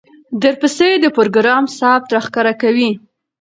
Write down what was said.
درپسې د پروګرام ثبت راښکاره کوي،